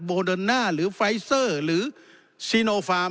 โบเดอร์น่าหรือไฟซอร์หรือซีโนฟาม